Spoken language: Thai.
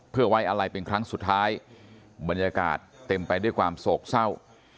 เพื่อไว้อะไรเป็นครั้งสุดท้ายบรรยากาศเต็มไปด้วยความโศกเศร้า